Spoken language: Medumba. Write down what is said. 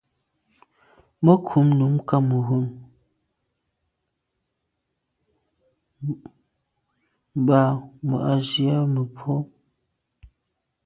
Mə̀ krú nǔm Cameroun mbá mə̀ ɑ̀' zí mə̀ bwɔ́.